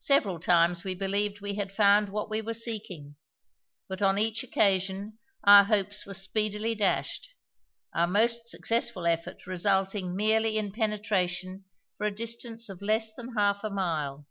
Several times we believed we had found what we were seeking, but on each occasion our hopes were speedily dashed, our most successful effort resulting merely in penetration for a distance of less than half a mile.